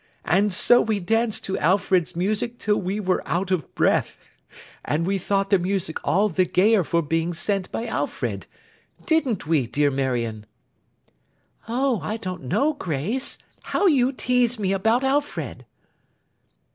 And so we danced to Alfred's music till we were out of breath. And we thought the music all the gayer for being sent by Alfred. Didn't we, dear Marion?' 'Oh, I don't know, Grace. How you tease me about Alfred.